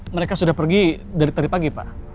mereka sudah pergi dari tadi pagi pak